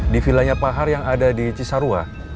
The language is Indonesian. di vilanya pahar yang ada di cisarua